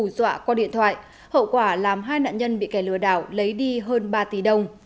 dọa qua điện thoại hậu quả làm hai nạn nhân bị kẻ lừa đảo lấy đi hơn ba tỷ đồng